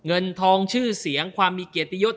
เงินทองชื่อเสียงความมีเกียรติยศ